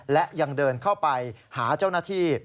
และยังเดินเข้าไปหาเจ้าหน้าที่